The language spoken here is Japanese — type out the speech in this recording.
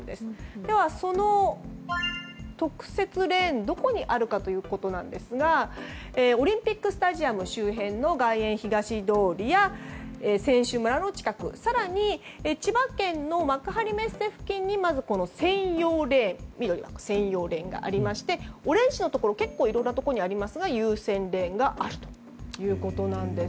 ではその特設レーン、どこにあるかということなんですがオリンピックスタジアム周辺の外苑東通りや選手村の近く更に千葉県の幕張メッセ付近にまず緑の専用レーンがありましてオレンジのところ結構いろんなところにありますが優先レーンがあるということなんです。